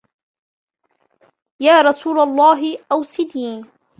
يَا رَسُولَ اللَّهِ أَوْصِنِي